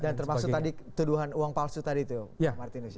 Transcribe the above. dan termasuk tadi tuduhan uang palsu tadi tuh pak martinus